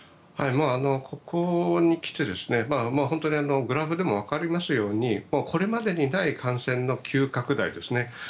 ここに来て本当にグラフでもわかりますようにこれまでにない感染の急拡大ですね。